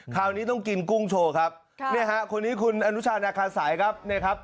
คราวนี้ต้องกินกุ้งโชว์ครับครับเนี้ยฮะคนนี้คุณอนุชาณกาศัยครับ